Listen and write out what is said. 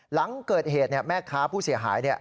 หลังเกิดเหตุเนี่ยแม่ค้าผู้เสียหายเนี่ย